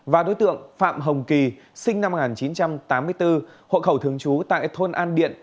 và đối tượng phạm hồng kỳ sinh năm một nghìn chín trăm tám mươi bốn hộ khẩu thường trú tại thôn an điện